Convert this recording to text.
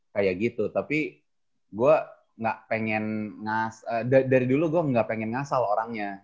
kayak gitu tapi gue gak pengen dari dulu gue gak pengen ngasal orangnya